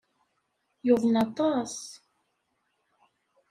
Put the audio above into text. Yuḍen aṭas.